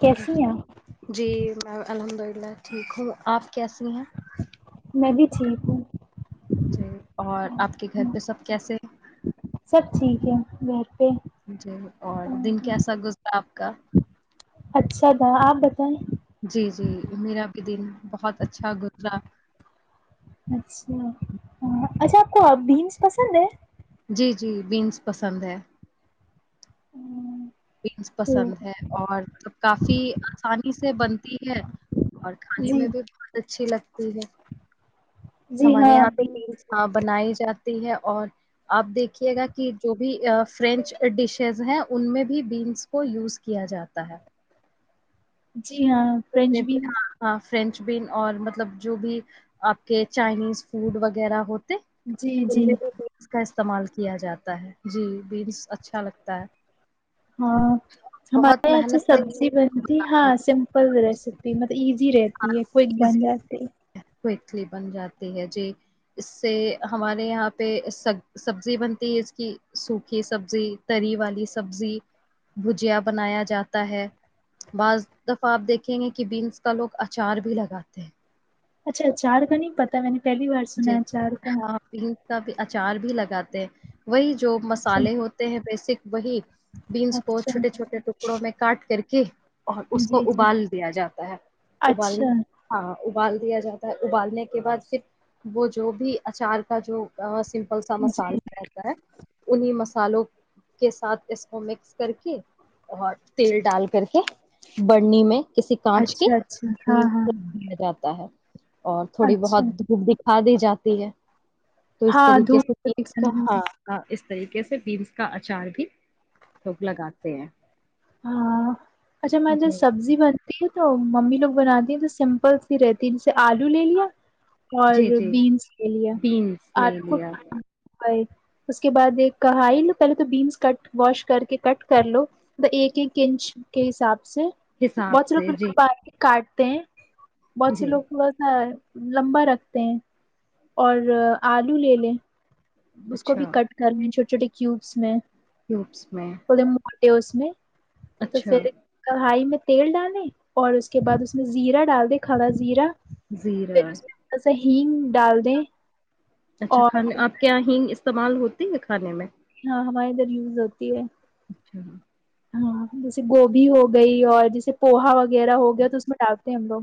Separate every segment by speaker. Speaker 1: کیسی ہیں ا
Speaker 2: جی میں الحمد للہ ٹھیک ہوں آپ کیسی ہیں میں
Speaker 1: میں بھی ٹھیک ہوں
Speaker 2: جی اور آپ کے گھر پہ سب کیسے
Speaker 1: ٹھیک ہے پہ
Speaker 2: جی اور دن کیسا گزرا [inaudible]
Speaker 1: اچھا تھا آپ بتائیں
Speaker 2: جی جی میرا بھی دن بہت اچھا گزرا
Speaker 1: اچھا ہاں، اچھا آپ کو بینس پسند ہے
Speaker 2: جی جی بینس پسند ہے
Speaker 1: [inaudible]
Speaker 2: بینس
Speaker 1: تو-
Speaker 2: پسند ہے اور سب کافی آسانی سے بنتی ہے اور کھانے
Speaker 1: جی
Speaker 2: میں بھی بہت اچھی لگتی ٹھیک ہے
Speaker 1: جی
Speaker 2: ہمارے
Speaker 1: ہاں
Speaker 2: یہاں تو
Speaker 1: بینس،
Speaker 2: تین صحب بنائی جاتی ہے اور آپ دیکھیے گا کہ جو بھی فرینچ ڈشیز ہیں ان میں بیینس کو یوز کیا جاتا ہے
Speaker 1: جی ہاں فرینچ
Speaker 2: جتنے
Speaker 1: بھی
Speaker 2: ہاں ہاں فرینچ بن اور مطلب جو بھی آپ کے چائنیز فوڈ وغیرہ ہو
Speaker 1: جی جی
Speaker 2: استعمال کیا جاتا ہے جی بینس اچھا لگتا ہے
Speaker 1: ہاں
Speaker 2: بہت
Speaker 1: ہمارے یہاں سے
Speaker 2: محنت نہیں
Speaker 1: سبزی
Speaker 2: ہے
Speaker 1: بنتی
Speaker 2: بنانے
Speaker 1: ہاں
Speaker 2: میں
Speaker 1: سمپل
Speaker 2: جی
Speaker 1: ریسیپ مطلبزی
Speaker 2: ہاں،
Speaker 1: رہتی کوئی بن
Speaker 2: ایزی
Speaker 1: جاتی
Speaker 2: کوئکلی بن جاتی ہے جی اس سے ہمارے یہاں پہ س سبزی بنتی ہے اس کی سوکھی سبزی تری والی سبزی بھجیا بنایا جاتا ہے بعض دفعہ آپ دیکھیں گے کہ بینس کا لوگ اچار بھی لگاتے ہیں
Speaker 1: اچھا چار کا نہیں پتا میں نے پہلی بار سنا
Speaker 2: جی
Speaker 1: چار کا
Speaker 2: ہاں بینس کا بھی اچار بھی لگاتے ہیں وہی جو
Speaker 1: اچھا
Speaker 2: مسالے ہوتے ہیں بیسک وہی بینس کو
Speaker 1: اچھا
Speaker 2: چھوٹے چھوٹے ٹکڑوں میں کاٹ کر کے اور اس کو
Speaker 1: جی جی
Speaker 2: ابال دیا جاتا ہے ابال
Speaker 1: اچھا
Speaker 2: ہاں ابال دیا جاتا ہے ابالنے کے بعد صرھر وہ جو بھی اچار کا جو س پھل سا مسالہ
Speaker 1: جی
Speaker 2: رہتا ہے انیں مسالوں کے ساتھ اس کو مکس کر کے اور تیل ڈال کر کے بڑنی میں کسی کانچ کے
Speaker 1: اچھا اچھا ہاں
Speaker 2: بڑنی
Speaker 1: ہاں
Speaker 2: میں رکھ دیا جاتا تا ہے اور تھوڑی
Speaker 1: اچھا
Speaker 2: بہت دھوپ د دی جاتی ہے تو اس
Speaker 1: ہاں
Speaker 2: طریقے سے
Speaker 1: دھوپ نکل
Speaker 2: طریقے سے بیینس کا اچار بھی لوگ لگاتے ہیں
Speaker 1: ہاں اچھا میں تو
Speaker 2: جی
Speaker 1: سبزی بنتی ہے تو ممی لوگ بناتی ہیں تو سمپل سی رہتی ہے آلو لے لیا اور
Speaker 2: جی جی
Speaker 1: بینس لے لیا
Speaker 2: بینس لے
Speaker 1: آلو کو
Speaker 2: لیا
Speaker 1: اس کے بعد ایک کہ ہی لو پہلے تو بینس کٹ واش کر کے کٹ کر لو ایک ایک انچ کے حساب
Speaker 2: حساب
Speaker 1: بچر پ
Speaker 2: سے جی
Speaker 1: باہ کے کاٹ تے بچ
Speaker 2: جی
Speaker 1: لوگ پا تھ ہے لمبا رکھتے ہیں اور آلو لے لے اس کو بھی کٹ کرنے چھوٹی چٹیے کیوبس میں
Speaker 2: وبس میں
Speaker 1: و اس میں تو
Speaker 2: اچھا
Speaker 1: پھر کڑھائی میں تیل ڈالے اور اس کے بعد اس میں زیرا ڈال دے کھڑا زیرا
Speaker 2: زیرہ
Speaker 1: ہگ ڈال دیں
Speaker 2: اچھا کھان
Speaker 1: اور
Speaker 2: آپ کیا ہی استعمال ہوتی ہے کھانے میں
Speaker 1: اں ہمارے ادھر یوز ہوتی ہے
Speaker 2: اچھا
Speaker 1: ہاں جیسے گوبھی ہو گئی اور جیسے پوہا وہ وغیرہ ہو گیا تو اس میں ڈالتے ہیں ہم لوگ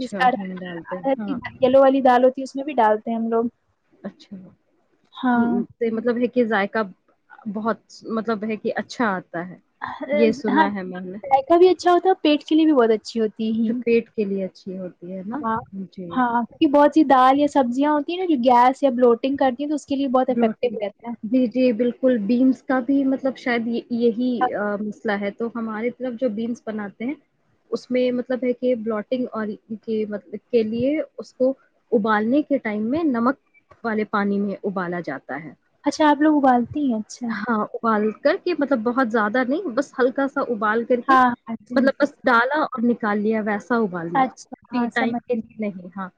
Speaker 1: جس
Speaker 2: ہینگ ڈالتے ہیں
Speaker 1: ارر کی
Speaker 2: ہاں
Speaker 1: یلو والی دال ہوتی اس میں بھی ڈالتے ہیں ہم لوگ
Speaker 2: اچھا
Speaker 1: ہاں
Speaker 2: ہ مطلب ہے کہ ذائقے ک بہت مطلب ہے کہ اچھا آتا ہے یہ سنا ہے میں نے
Speaker 1: ہاںائق بھی اچھا ہوتا ہے پیٹ کے لیے بھی بہت اچھی ہوتی
Speaker 2: اچھا پیٹ کے لیے اچھی ہوتی ہے نا
Speaker 1: ہاں
Speaker 2: جی
Speaker 1: ہاں کیہ بہت دال یا سبزیاں ہوتی ہیں ن جو گیس یا ب لوٹنگ کرتی ہیں تو کے لیے بہت
Speaker 2: ب
Speaker 1: افیکٹو رہتا
Speaker 2: جی جی بالکل بیینس کا بھی مطلب شاید یہ یہی
Speaker 1: ہے
Speaker 2: مسئلہ ہے تو ہماری طرف جو بینس بناتے ہیں اس میں مطلب ہے کہ بلوٹنگ اور م کے لیے اس کو ابالنے کے ٹائم میں نمک والے پانی میں ابالا جاتا ہے
Speaker 1: اچھا آپوگ ابال
Speaker 2: ہاں ابال کر کے مطلب بہت زیاد نہیں بس ہلکا ابال کر کے
Speaker 1: ہاں ہاں جی
Speaker 2: مطلب
Speaker 1: جی
Speaker 2: بس ڈالا نکال لیا ویسے سو بالنا
Speaker 1: اچھا ہاں
Speaker 2: ٹائم
Speaker 1: سمجھ
Speaker 2: کے
Speaker 1: گئی
Speaker 2: نہیں ہاں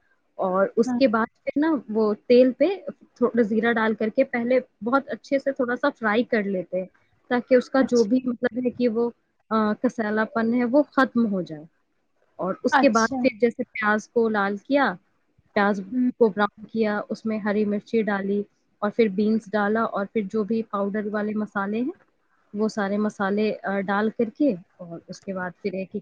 Speaker 2: اور اس
Speaker 1: ہاں
Speaker 2: کے بعد پھر نا وہ تیل پہ تھوڑا زیرا ڈال کر کے پہلے بہت اچھے سے تھوڑا سا فرائی کر لیتے تاکہ اس کا جو
Speaker 1: اچھا
Speaker 2: بھی مطلب ہے کہ وہ کسیلا پن ہے وہ ختم ہو جائے اور اس کے
Speaker 1: اچھا
Speaker 2: بعد پھر جیسے پیاز کو لال کیا پیاز
Speaker 1: ہوں
Speaker 2: کو براؤن کیا اس میں ہری مرچی ڈالی اور پھر بینس ڈالا اور پھر جو بھی پاؤڈر والے مسالے ہیں وہ سارے مسالے ڈال کر کے اور اس کے بعد پھر یہ کہ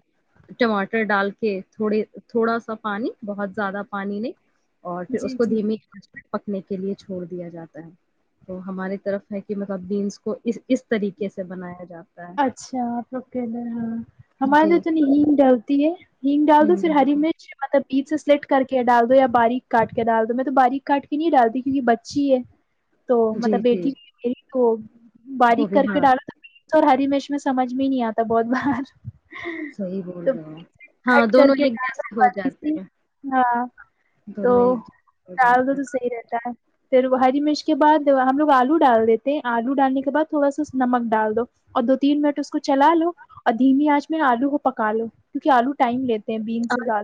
Speaker 2: ٹماٹر ڈال کے تھوڑے تھوڑا سا پانی بہت زیادہ پانی نہیں اور پھر
Speaker 1: جی
Speaker 2: اس کو
Speaker 1: جی
Speaker 2: دھیمی پکنے کے لیے چھوڑ دیا جاتا ہے تو ہمارے طرف ہے کہ مطلب بینس کو اس اس طریقے سے بنایا جاتا ہے
Speaker 1: اچھا آپ لوگ کہ ل ہاں ہمارے تو
Speaker 2: جی
Speaker 1: اتنی ہگ ڈالتی ہے ہگ ڈال دو
Speaker 2: ہم
Speaker 1: پھر ہری
Speaker 2: ڈلتی
Speaker 1: مرچ مطلب عید سے سلٹ کر کے ڈال دو یا باریک کاٹ کے ڈال دو میں تو باریک کاٹ کے نہیں ڈالتی کیونکہ بچی ہے تو مطلب
Speaker 2: جی جی
Speaker 1: بیٹی [inaudible]
Speaker 2: وہ
Speaker 1: [unintelligible]
Speaker 2: بھی
Speaker 1: کرکٹ
Speaker 2: ہاں
Speaker 1: آالا اور ہری مش میں سمجھ بھی نہیں آتا بہت بار
Speaker 2: صحی بول
Speaker 1: تو
Speaker 2: رہے ہو ہاں
Speaker 1: کٹ کر
Speaker 2: دونوں
Speaker 1: کے
Speaker 2: ایک
Speaker 1: ڈالا
Speaker 2: جیسے ہو
Speaker 1: باریک
Speaker 2: جاتے
Speaker 1: سی
Speaker 2: ہیں
Speaker 1: ہاں تو
Speaker 2: دونوں ایک جیسے ہو
Speaker 1: ڈال
Speaker 2: جاتے
Speaker 1: دو تو
Speaker 2: ہیں
Speaker 1: صحیح رہتا ہے پھر ہری مرچ کے بعد ہم لوگ آلو ڈال دیتے ہیں آلو ڈالنے کے بعد تھوڑا سا نمک ڈال دو اور دو تین منٹ اس کو چلا لو اور دھیمی آنچ میں آلو کو پکا لو کیونک آلو ٹائم لیتا بیینس زدہ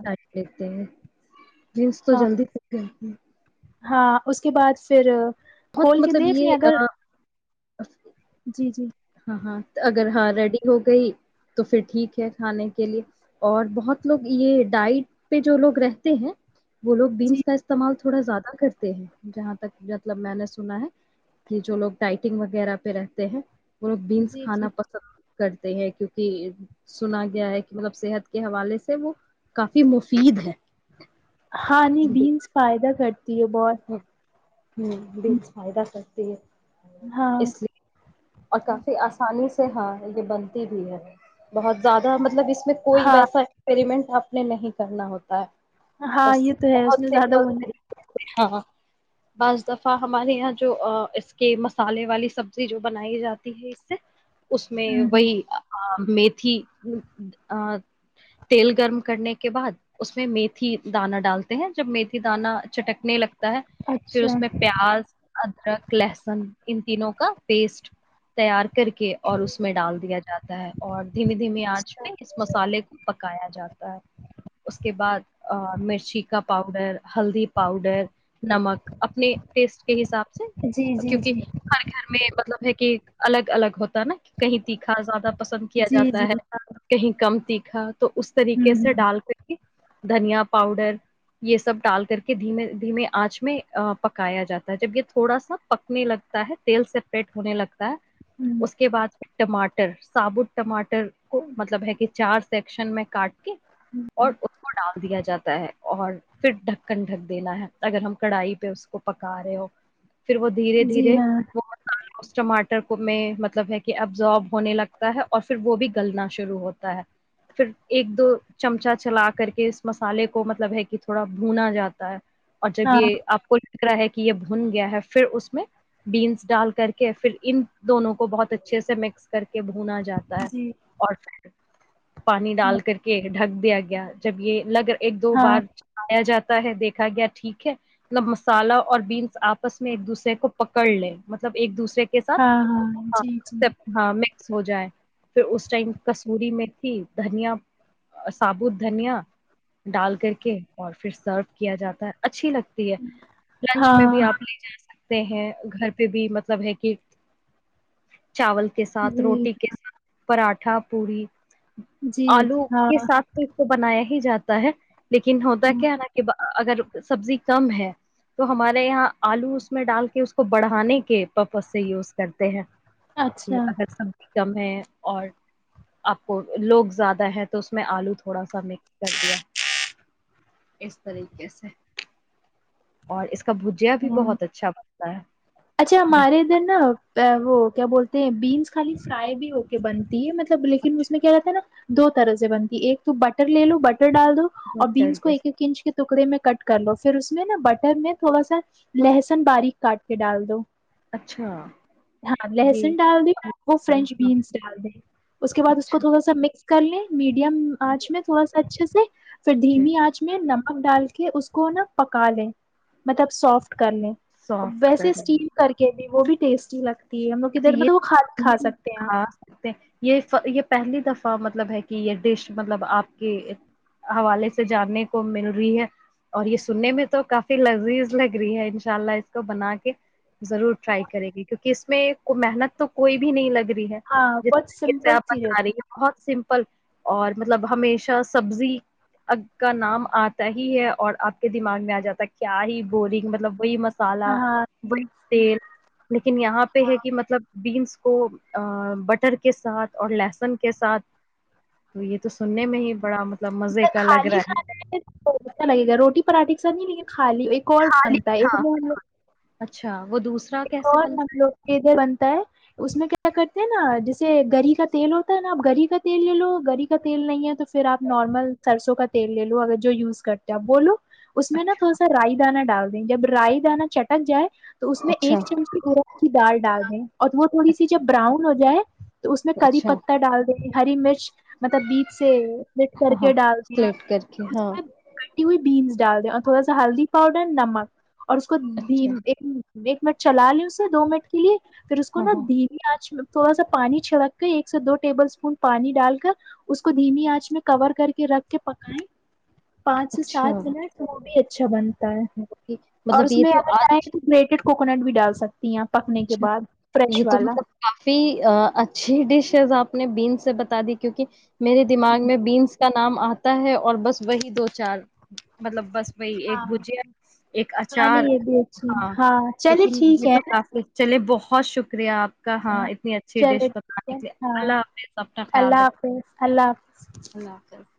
Speaker 2: جس تو جلدی
Speaker 1: ہاں اس کے بعد پھر
Speaker 2: بہت
Speaker 1: کھول کے
Speaker 2: مطلب
Speaker 1: دیکھ
Speaker 2: یہ
Speaker 1: لے اگر
Speaker 2: آ،
Speaker 1: جی جی
Speaker 2: ہاں ہاں اگر ہاں ریڈی ہو گئی تو پھر ٹھیک ہے کھانے کے لیے اور بہت لوگ یہ ڈائٹ پہ جو لوگ رہتے ہیں وہ لوگ
Speaker 1: جی
Speaker 2: بینس کا استعمال تھوڑا زیادہ کرتے ہیں جہاں تک مطلب میں نے سنا ہے کہ جو لوگ ڈائٹنگ وغیرہ پہ رہتے ہیں م بینس
Speaker 1: جی
Speaker 2: کھانا
Speaker 1: جی
Speaker 2: پسند کرتے ہیں کیونکہ سنا گیا ہے کہ مطلب صحت کے حوالے سے وہ کافی مفید ہے
Speaker 1: ہاں نہیں بیینس فائدہ کرتی دی یہ بت
Speaker 2: ہ بیس فائدہ کرکتی ہے
Speaker 1: ہاں
Speaker 2: اس لیے اور کافی آسان پانی سے ہاں یہ بنتی بھی ہے بہت زیادہ مطلب اس میں کوئی
Speaker 1: ہاں
Speaker 2: ویسا ایکسپریمنٹ آپنے نہیں کرنا ہوتا ہے
Speaker 1: ہاں
Speaker 2: بس
Speaker 1: یہ تو ہے اس
Speaker 2: بہت
Speaker 1: نے زیادہ
Speaker 2: سمپل
Speaker 1: بول
Speaker 2: طریقے ہاں بعض دفعہ ہمارے یہاں جو اس کے مسالے والی سبزی جو بنائی جاتی ہے اس سے اس میں
Speaker 1: ہوں ہ
Speaker 2: وہی میتھی تیل گرم کرنے کے بعد اس میں میتھی دانہ ڈالتے ہیں جب میتھی دانہ چٹکنے لگ پھر
Speaker 1: اچھا
Speaker 2: اس میں پیاز ادرک لہسن ان ت نو کا پیسٹ تیار کر کے اور اس میں ڈال دیا جاتا ہے اور دھیمے دھیمے آنچ پہ اس مسالے کو پکایا جاتا ہے اس کے بعد مرچی کا پاؤڈر ہلدی پاؤڈر نمک اپنے ٹیسٹ کے حساب سے
Speaker 1: جی جی
Speaker 2: کیونکہ
Speaker 1: جی
Speaker 2: ہر گھر میں کہ الگ الگ ہوتا کہیں تیکھا زیادہ پسند کیا
Speaker 1: جی
Speaker 2: جاتا
Speaker 1: جی
Speaker 2: ہے
Speaker 1: ہاں
Speaker 2: کہیں کم تیکھا تو اس طریقے
Speaker 1: ہوں
Speaker 2: سے ڈال کر ہی دھنیا پاؤڈر یہ سب ڈال کر کے دھیمے دھیمے آنچ میں پکایا جاتا ہے جب یہ تھوڑا سا پکنے لگتا ہے تیل سے پیٹ ہونے لگتا
Speaker 1: ہ
Speaker 2: اس کے بعد پھر ٹماٹر سابوت ٹماٹر کو مطلب ہے کہ چار سیکشن میں کاٹ
Speaker 1: ہوں
Speaker 2: اور اس کو ڈال دیا جاتا ہے اور پھر ڈھکن ڈھک دینا ہے اگر ہم کڑھائی پہ اس کو پکا رہے ہو پھر وہ دھیرے
Speaker 1: جی
Speaker 2: دھیرے
Speaker 1: ہاں
Speaker 2: وہ اس ٹماٹر کو میں مطلب ہے کہ ابزارب ہونے لگتا ہے اور پھر وہ بھی گلنا شروع ہوتا ہے پھر ایک دو چمچہ چلا کر کے اس مسالے کو مطلب ہے کہ تھوڑا بھونا جاتا ہے اور جب
Speaker 1: ہاں
Speaker 2: یہ آپ کو د رہا ہے کہ یہ بھن گیا ہے پھر اس میں بیینس ڈال کر کے پھر ان دونوں کو بہت اچھے سے مکس کر کے بھنا جاتا ہے
Speaker 1: جی
Speaker 2: اور پھر پانی ڈال کر کے ڈھگ دیا گیا جب یہ لگگر ایک دو بار
Speaker 1: ہاں
Speaker 2: چلایا جاتا ہے دیکھا گیا ٹھیک ہے مطلب مسالہ اور بینس آپس میں ایک دوسرے کو پکڑ لے مطلب ایک دوسے
Speaker 1: ہاں ہاں جی جی
Speaker 2: ہاں مکس ہو جائے پھر اس ٹائم کسوری میں تھی دھنیا ابوت دھنیا ڈال کر کے اور پھر سرو کیا جاتا ہے اچھی لگتی لنچ میں بھی
Speaker 1: ہاں
Speaker 2: آپ لے جا سکتے ہیں گھر بھی مطلب ہے کہ چاول کے ساتھ
Speaker 1: جی
Speaker 2: روٹی کے ساتھ پراٹھا مٹھا پوڑی
Speaker 1: جی
Speaker 2: آلو کے
Speaker 1: ہاں
Speaker 2: ساتھ تو اس کو بنایا ہی جاتا تا ہے لیکن ہوتا کیا ہے ن کہ اگر سبزی کم ہے تو ہمارے یہاں آلو اس میں ڈال کے اس کو بڑھانے کے پاپ اس سے یوز کرتے ہیں کہ
Speaker 1: اچھا
Speaker 2: اگر سبزی کم ہے اور آپ کو لوگ زیادہ ہے تو اس میں آلو تھوڑا سا مکس کر دیا اس طریقے سے اور اس کو اس کا بھجیا بھی
Speaker 1: ہاں
Speaker 2: بہت اچھا
Speaker 1: اچھا
Speaker 2: ہے
Speaker 1: ہمارے ادھر نا وہ کیا بولتے ہیں بینس خالی فرائی بھی ہو کے بنتی ہے مطلب لیکن اس میں کیا رہتا ہے نا دو طرح سے بنتی ہے ایک تو بٹر لے لو بٹر ڈال دو اور
Speaker 2: بٹر
Speaker 1: بیینس کو
Speaker 2: کے
Speaker 1: ایک ایک
Speaker 2: ساتھ۔
Speaker 1: انچ کے ٹکڑے میں کٹ کر لو پھر اس میں نا بٹر میں تھوڑا سا لہسن باریک کاٹ کے ڈال دو
Speaker 2: اچھا
Speaker 1: ہاں
Speaker 2: یہ
Speaker 1: لہسن ڈال دیں وہ
Speaker 2: پسند،
Speaker 1: فرینچ
Speaker 2: ہاں
Speaker 1: بینس ڈال دیں اس کے بعد اس کو
Speaker 2: اچھا
Speaker 1: تھوڑا سا مکس کرنی میڈیم آج میں تھوڑا سا اچھا سے پھر دھیمی آنچ میں ن ا ڈال کے اس کو نا پکا لیں مطلب سافٹ کر لیں
Speaker 2: سافٹ
Speaker 1: ویسے
Speaker 2: کرنی
Speaker 1: اسٹیم کر کے وہ بھی ٹیسٹی لگتا
Speaker 2: [unintelligible] مطلب ہے کہ یہ ڈش مطلب آپ کے حوالے سے جاننے کو مل رہی ہے اور یہ سننے میں تو کافی لذیذ لگ رہی ہے انشاء اللہ اس کو بنا کے ضرور ٹرائی
Speaker 1: آپ
Speaker 2: کرے گی کیونکہ اس میں محنت تو کوئی بھی نہیں لگ رہی بھی ہے
Speaker 1: ہاں
Speaker 2: جس
Speaker 1: بہت
Speaker 2: طریقے سے
Speaker 1: سمپل
Speaker 2: آپ
Speaker 1: سی
Speaker 2: بتا رہی
Speaker 1: رہتی
Speaker 2: ہیں
Speaker 1: ہے
Speaker 2: بہت سمپل اور مطلب ہمیشہ سبزی کا نام آتا ہی ہے اور آپ کے دماغ میں آ جاتا ہے کیا ہی بورنگ مطلب وہی مس مسالہ
Speaker 1: ہاں
Speaker 2: وہ تیل لیکن یہاں پہ ہے مطلب بینس کو بٹر کے ساتھ اور لہسن کے ساتھ تو یہ تو سننے میں ہی بڑا مطب
Speaker 1: مطلب خالی کھانےت اچھا لگے گا روٹی پراٹے کا سر نہیں لیک خالی ایک اور
Speaker 2: خالی
Speaker 1: بنتا ہے
Speaker 2: ہاں
Speaker 1: ایکوگ
Speaker 2: اچھا وہ دوسرا
Speaker 1: ایک
Speaker 2: کیسے
Speaker 1: اور ہم
Speaker 2: بنتا
Speaker 1: لوگ کےھر بنتا ہے اس میں کیا کرتے ہیں نا جیسے گری کا تیل ہوتا ہے نا آپ گری کا تیل لے لو گری کا تیل نہیں ہے تو پھر آپ نارمل سرسوں کا تیل لے لو اگر جو یوز کرتے آپ بولو اس
Speaker 2: ہے
Speaker 1: میں نا
Speaker 2: اچھا
Speaker 1: تھوڑا سا رائی دانا ڈالتا جب رائی دانا چٹک جائے تو اس میں
Speaker 2: اچھا
Speaker 1: ایک چمچی گرم کی دال ڈال دیں اور وہ تھوڑی سی جب
Speaker 2: اچھا
Speaker 1: براؤن ہو جائے تو اس میں کری
Speaker 2: اچھا
Speaker 1: پتہ ڈال دیں گ ہری مرچ مطلب بیچ سے لٹ کر
Speaker 2: ہاں
Speaker 1: کے
Speaker 2: ہاں سلیکٹ کر کے ہاں
Speaker 1: ٹی ہوئی بیینس ڈال دیں اور تھوڑا سا ہلدی پاؤڈر نمک اور اس کو
Speaker 2: اچھا
Speaker 1: د ایک ایک منٹ چلا لیں اسے دو منٹ کے لیے پھر اس کو
Speaker 2: ہاں
Speaker 1: نا
Speaker 2: ہاں
Speaker 1: دری آنج تھوڑا سا پانی چھڑک کے ایک سے دو ٹیبل اسپون پانی ڈال کر اس کو دھیمی آنچ میں کور کر کہ رکھ کے پکائیں پانچ سے
Speaker 2: اچھا
Speaker 1: سات منٹ وہ بھی چھبن اور
Speaker 2: مطلب
Speaker 1: اس
Speaker 2: یہ
Speaker 1: میں
Speaker 2: تو
Speaker 1: اگر چاہیں
Speaker 2: آج
Speaker 1: کہ تو گٹڈ کوکنٹ بھی ڈال سک
Speaker 2: اچھا یہ تو مطلب کافی اچھی ڈش ہےز آپ اپنے بیین سے بتا دی کیونک میرے دماغ میں بیینس کا نام آتا ہے اور بس وہی دو چار مطلب بس بائی ایک
Speaker 1: ہاں
Speaker 2: بجیا ایک
Speaker 1: ہاں
Speaker 2: اچار
Speaker 1: نہیں یہ بھی اچھی ہے۔
Speaker 2: ہاں
Speaker 1: چلیے
Speaker 2: لیکن
Speaker 1: ٹھیک
Speaker 2: یہ
Speaker 1: ہے
Speaker 2: تو کافی چلیے بہت شکریہ آپ کا کا ہاں
Speaker 1: نا
Speaker 2: اتنی اچھی
Speaker 1: چلے
Speaker 2: ڈش
Speaker 1: ٹھیک ہے
Speaker 2: بتے اللہ
Speaker 1: ہاں
Speaker 2: حافظب کا خیال
Speaker 1: اللہ
Speaker 2: رکھے
Speaker 1: حافظ اللہ حافظ
Speaker 2: اللہ حافظ